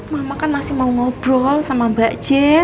mama kan masih mau ngobrol sama mbak j